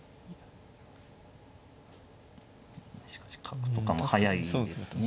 しかし角とかも速いですね。